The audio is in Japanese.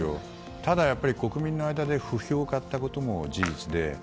ただ、国民の間で不評を買ったことも事実で。